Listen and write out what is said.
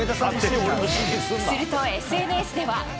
するとＳＮＳでは。